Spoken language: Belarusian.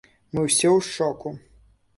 Мы ўсе ў шоку!